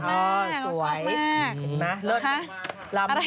โหเราชอบมากชอบมาก